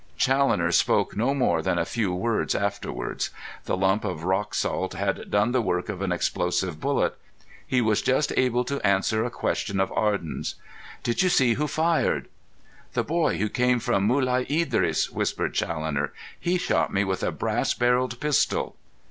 Challoner spoke no more than a few words afterwards. The lump of rock salt had done the work of an explosive bullet. He was just able to answer a question of Arden's. "Did you see who fired?" "The boy who came from Mulai Idris," whispered Challoner. "He shot me with a brass barrelled pistol."